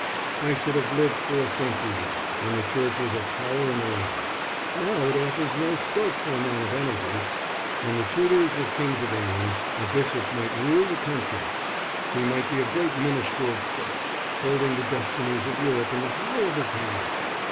I should have lived four centuries ago, when the Church was a power in the land. Now it offers no scope for a man of energy. When the Tudors were kings of England a bishop might rule the country. He might be a great minister of state, holding the destinies of Europe in the hollow of his hand.